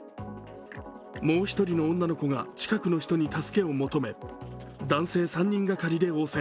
もう一人の女の子が近くの人に助けを求め、男性３人掛かりで応戦。